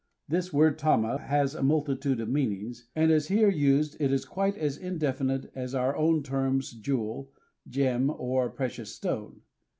This word tama has a multitude of meanings; and as here used it is quite as indefinite as our own terms "jewel," "gem," or "precious stone."